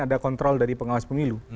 ada kontrol dari pengawas pemilu